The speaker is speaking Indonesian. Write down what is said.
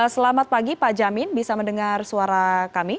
selamat pagi pak jamin bisa mendengar suara kami